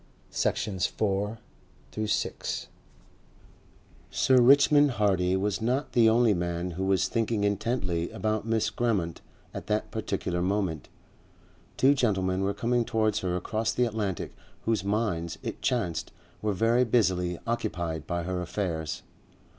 Section 4 Sir Richmond Hardy was not the only man who was thinking intently about Miss Grammont at that particular moment. Two gentlemen were coming towards her across the Atlantic whose minds, it chanced, were very busily occupied by her affairs.